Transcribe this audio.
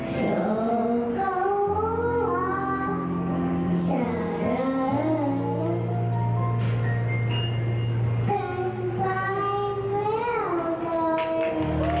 เพราะฉันเป็นใจไม่เอาใน